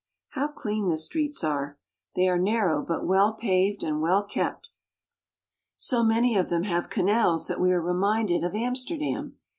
How clean the streets are ! They are narrow, but well THE LAND OF THE DANES. 59 paved and well kept. So many of them have canals that we are reminded of Amsterdam.